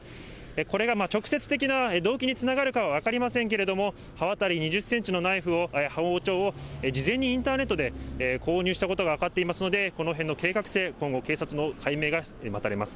これが直接的な動機につながるかは分かりませんけれども、刃渡り２０センチの包丁を、事前にインターネットで購入したことが分かっていますので、このへんの計画性、今後、警察の解明が待たれます。